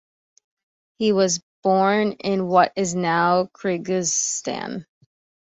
He was born in what is now Kyrgyzstan.